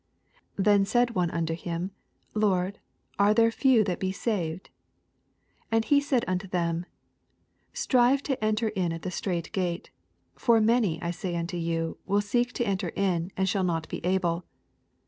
28 Then said one unto him, Lord, are there few that be saved ? And he said unto them, 24 Strive to enter in at the strait gate : for many, I say unto you, will seek to enter In, and shall not be able.